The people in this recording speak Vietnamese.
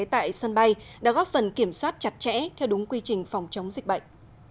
tại sân bay đã góp phần kiểm soát chặt chẽ theo đúng quy trình phòng chống dịch bệnh